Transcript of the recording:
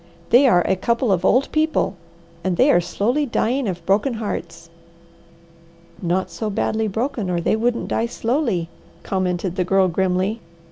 They are a couple of old people, and they are slowly dying of broken hearts!" "Not so badly broken or they wouldn't die slowly," commented the Girl grimly.